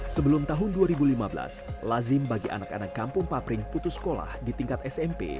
sebelum tahun dua ribu lima belas lazim bagi anak anak kampung papring putus sekolah di tingkat smp